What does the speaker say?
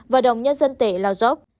và đồng nhân dân tể lao dốc